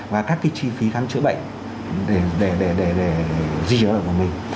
và các cái chi phí kháng chữa bệnh để duy trì cho đồng hồ mình